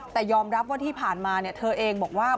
แต่ยอมรับว่าที่ผ่านมาเธอเองบอกว่า